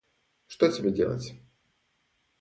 Что тебе делать?